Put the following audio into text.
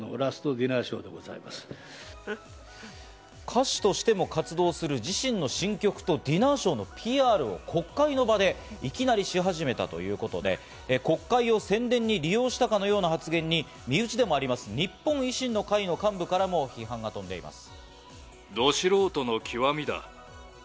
歌手としての活動をする自身の新曲とディナーショーのＰＲを国会の場でいきなりし始めたということで、国会を宣伝に利用したかのような発言に身内である日本維新の会の幹部からも批判が飛んでいます。